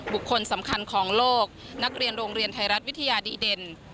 บุคคลสำคัญของโลกนักเรียนโรงเรียนไทยรัฐวิทยาดีเด่น